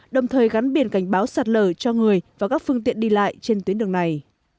đồng thời gắn biển cảnh báo sạt lở cho người và các phương tiện đi lại trên tuyến đường này